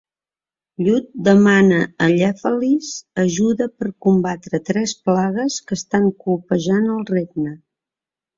Lludd demana a Llefelys ajuda per combatre tres plagues que estan colpejant el regne.